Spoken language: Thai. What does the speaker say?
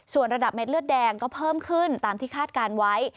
ส่วนระดับเม็ดเลือดแดงก็เพิ่มขึ้นตามที่คาดการณ์ไว้